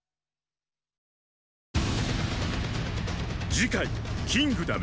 次回「キングダム」